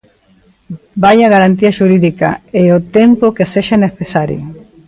¡Vaia garantía xurídica é o tempo que sexa necesario!